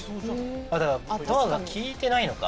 あっだからドアが利いてないのか